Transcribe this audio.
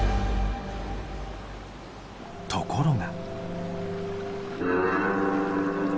ところが。